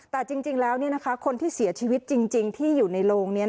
แต่จริงแล้วคนที่เสียชีวิตจริงที่อยู่ในโรงนี้